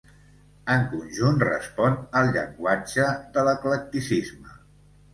En conjunt respon al llenguatge de l'eclecticisme.